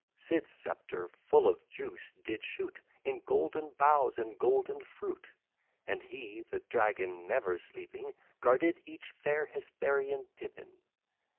Sid's sceptre, full of juice, did shoot In golden boughs, and golden fruit; And he, the dragon never sleeping, Guarded each fair Hesperian Pippin.